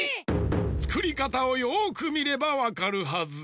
つくりかたをよくみればわかるはず。